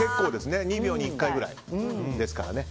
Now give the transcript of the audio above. ２秒に１回くらいですからね。